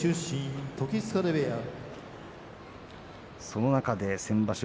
その中で先場所